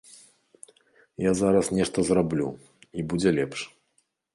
Я зараз нешта зраблю, і будзе лепш.